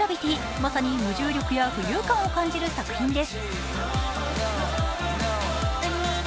まさに無重力や浮遊感を感じる作品です。